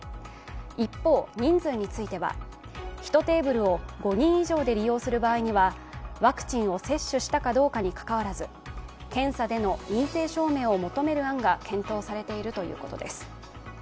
一方、人数については１テーブルを５人以上で利用する場合にはワクチンを接種したかどうかにかかわらず、検査での陰性証明を求める案が検討されているということです。